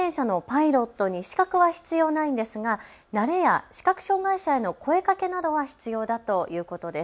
タンデム自転車のパイロットに資格は必要ないんですが慣れや視覚障害者への声かけは必要だということです。